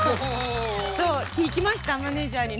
そう聞きましたマネージャーに。